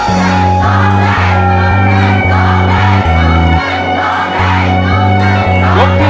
ร้องได้ร้องได้ร้องได้